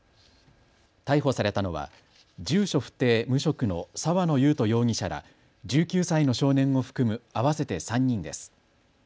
逮捕されたのは住所不定、無職の澤野裕人容疑者ら１９歳の少年を含む合わせて３人です。